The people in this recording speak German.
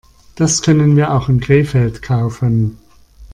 Das können wir auch in Krefeld kaufen